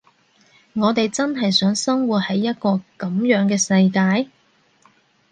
我哋真係想生活喺一個噉樣嘅世界？